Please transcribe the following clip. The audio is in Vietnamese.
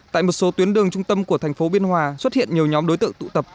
tại một số tuyến đường trung tâm của thành phố biên hòa xuất hiện nhiều nhóm đối tượng tụ tập